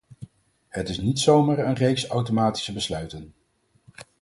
Het is niet zomaar een reeks automatische besluiten.